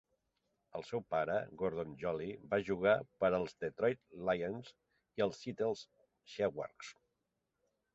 El seu pare, Gordon Jolley, va jugar per als Detroit Lions i els Seattle Seahawks.